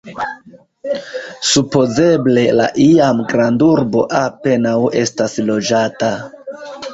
Supozeble la iam grandurbo apenaŭ estas loĝata.